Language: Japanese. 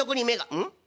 うん？